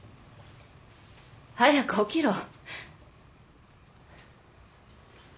早く起きろ。